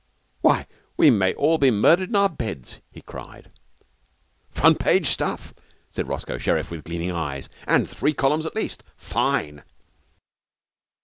'Why, we may all be murdered in our beds!' he cried. 'Front page stuff!' said Roscoe Sherriff, with gleaming eyes. 'And three columns at least. Fine!'